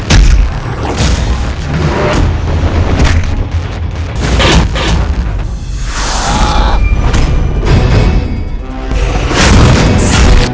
assalamualaikum pak kiai